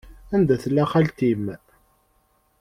Anda tella xalti-m?